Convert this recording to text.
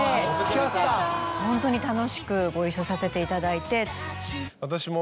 ホントに楽しくご一緒させていただいて。